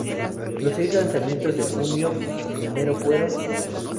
Los seis lanzamientos de Juno I fueron